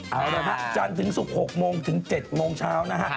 เอาละครับจันทร์ถึงสุด๖โมงถึง๗โมงเช้านะครับ